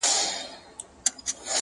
لاس یې پورته د غریب طوطي پر سر کړ!!